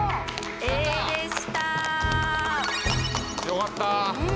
よかった。